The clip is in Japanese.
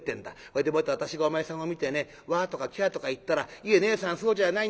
それでもって私がお前さんを見てねワーとかキャーとか言ったら『いえねえさんそうじゃあないんですよ。